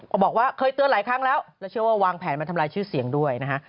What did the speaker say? บอกว่าเคยเตือนหลายครั้งแล้วแล้วเชื่อว่าวางแผนมาทำลายชื่อเสียงด้วยนะฮะ